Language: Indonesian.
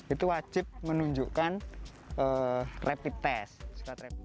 itu wajib menunjukkan rapid test